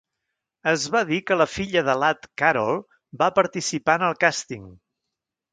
Es va dir que la filla de Ladd, Carol, va participar en el càsting.